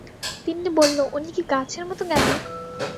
তিন্নি বলল, উনি কি গাছের মতো জ্ঞানী?